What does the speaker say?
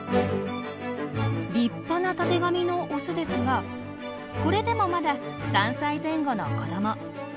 立派なたてがみのオスですがこれでもまだ３歳前後の子ども。